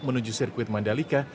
menuju sirkuit mandalika